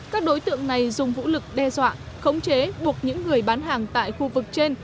các đối tượng này dùng vũ lực đe dọa khống chế buộc những người bán hàng tại khu vực trên